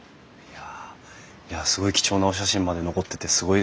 いやすごい貴重なお写真まで残っててすごいですね。